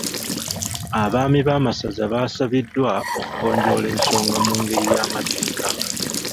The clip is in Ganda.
Abaami b'amasaza baasabiddwa okugonjoola ensonga mu ngeri y’amateeka.